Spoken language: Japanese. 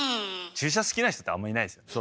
注射好きな人ってあんまいないですよね。